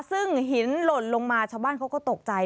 ซึ่งหินหล่นลงมาชาวบ้านเขาก็ตกใจ